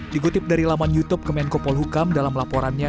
digutip dari laman youtube ke menko polhukam dalam laporannya